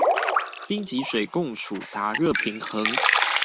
冰及水共處達熱平衡